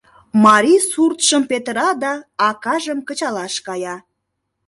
Марий суртшым петыра да акажым кычалаш кая.